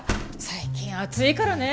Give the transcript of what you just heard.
最近暑いからね。